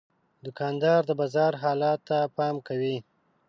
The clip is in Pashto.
دوکاندار د بازار حالاتو ته پام کوي.